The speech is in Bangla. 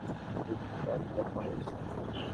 আমাদের কি আগে দেখা হয়েছে?